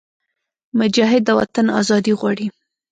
مجاهد د وطن ازادي غواړي.